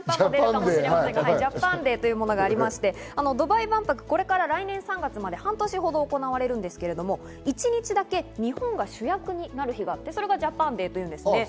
ドバイ万博、これから来年３月まで半年ほど行われるんですが、一日だけ日本が主役になる日があって、それがジャパンデーというんです。